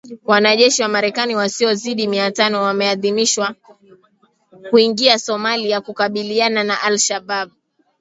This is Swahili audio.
Wanajeshi wa Marekani wasiozidi mia tano wameidhinishwa kuingia Somalia kukabiliana na Al Shabaab.